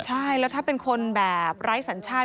ใช่แล้วถ้าเป็นคนแบบไร้สัญชาติ